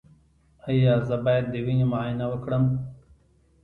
ایا زه باید د وینې معاینه وکړم؟